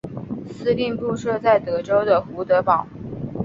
司令部设在德州的胡德堡。